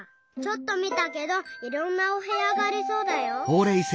ちょっとみたけどいろんなおへやがありそうだよ。